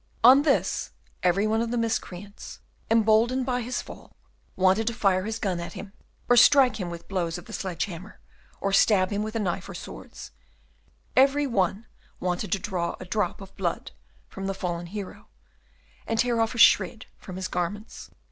On this, every one of the miscreants, emboldened by his fall, wanted to fire his gun at him, or strike him with blows of the sledge hammer, or stab him with a knife or swords, every one wanted to draw a drop of blood from the fallen hero, and tear off a shred from his garments.